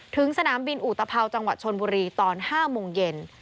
สนามบินอุตภาวจังหวัดชนบุรีตอน๕โมงเย็น